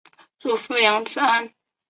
祖父杨子安。